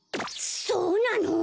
そうなの！？